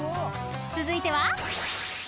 ［続いては］